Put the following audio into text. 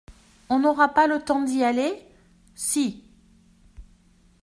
On n’aura pas le temps d’y aller ? Si !